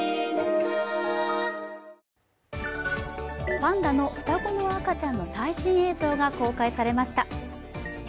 パンダの双子の赤ちゃんの最新映像が公開されました。